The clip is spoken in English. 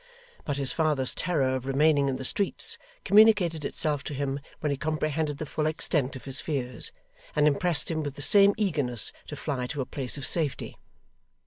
But his father's terror of remaining in the streets, communicated itself to him when he comprehended the full extent of his fears, and impressed him with the same eagerness to fly to a place of safety.